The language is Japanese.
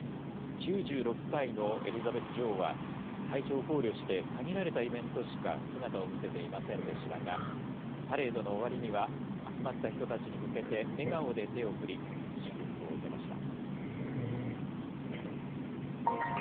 ９６歳のエリザベス女王は、体調を考慮して限られたイベントしか姿を見せていませんでしたが、パレードの終わりには、集まった人たちに向けて笑顔で手を振り、祝福を受けました。